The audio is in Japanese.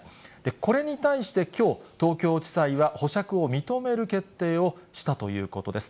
これに対してきょう、東京地裁は保釈を認める決定をしたということです。